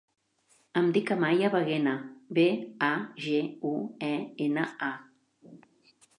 Em dic Amaya Baguena: be, a, ge, u, e, ena, a.